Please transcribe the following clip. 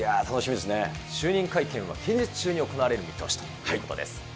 就任会見は近日中に行われる見通しということです。